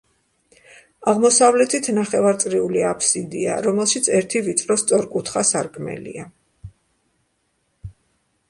აღმოსავლეთით ნახევარწრიული აფსიდია, რომელშიც ერთი ვიწრო სწორკუთხა სარკმელია.